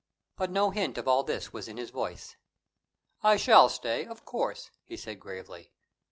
But no hint of all this was in his voice. "I shall stay, of course," he said gravely.